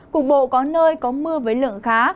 cục bộ có nơi có mưa với lượng khá